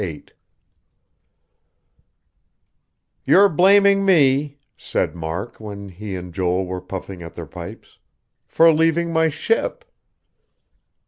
VIII "You're blaming me," said Mark, when he and Joel were puffing at their pipes, "for leaving my ship."